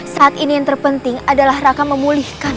saat ini yang terpenting adalah raka memulihkan